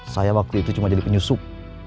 saya waktu itu cuma jadi penyusup